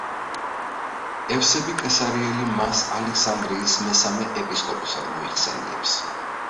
ევსები კესარიელი მას ალექსანდრიის მესამე ეპისკოპოსად მოიხსენიებს.